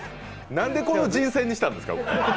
何でこの人選にしたんですか。